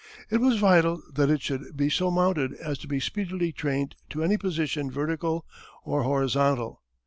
It was vital that it should be so mounted as to be speedily trained to any position vertical or horizontal.